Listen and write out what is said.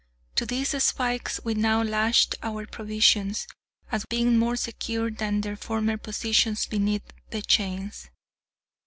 To these spikes we now lashed our provisions, as being more secure than their former position beneath the chains.